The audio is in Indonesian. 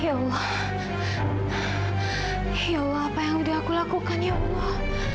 ya allah hilal apa yang udah aku lakukan ya allah